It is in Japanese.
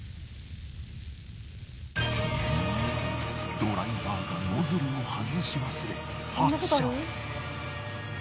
ドライバーがノズルをはずし忘れ発車。